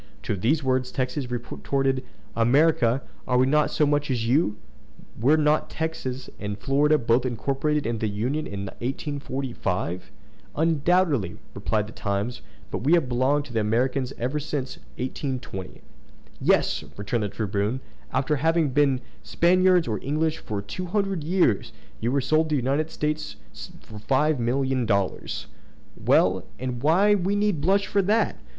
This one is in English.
To these words Texas retorted, "American! are we not as much so as you? Were not Texas and Florida both incorporated into the Union in 1845?" "Undoubtedly," replied the Times; "but we have belonged to the Americans ever since 1820." "Yes!" returned the Tribune; "after having been Spaniards or English for two hundred years, you were sold to the United States for five million dollars!" "Well! and why need we blush for that?